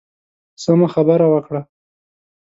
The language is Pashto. سمه خبره وکړه.